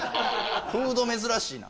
フード珍しいな。